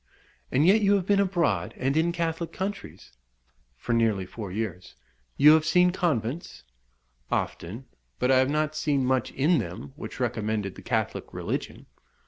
"And yet you have been abroad, and in Catholic countries?" "For nearly four years." "You have seen convents?" "Often; but I have not seen much in them which recommended the Catholic religion."